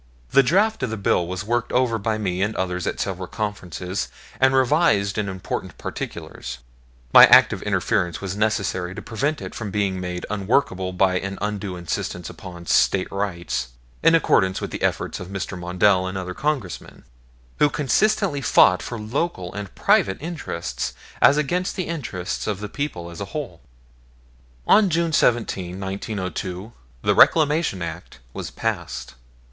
The draft of the bill was worked over by me and others at several conferences and revised in important particulars; my active interference was necessary to prevent it from being made unworkable by an undue insistence upon States Rights, in accordance with the efforts of Mr. Mondell and other Congressmen, who consistently fought for local and private interests as against the interests of the people as a whole. On June 17, 1902, the Reclamation Act was passed.